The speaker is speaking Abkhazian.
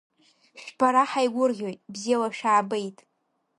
Шәбара ҳаигәырӷьоит, бзиала шәаабеит!